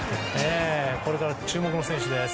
これから注目の選手です。